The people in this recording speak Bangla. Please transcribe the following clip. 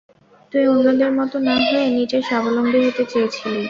তুই অন্যদের মতো না হয়ে নিজে স্বাবলম্বী হতে চেয়েছিলি।